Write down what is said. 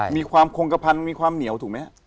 มีความคงกระพันมีความเหนียวถูกไหมฮะ